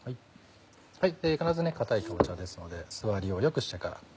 必ずね硬いかぼちゃですので座りをよくしてから。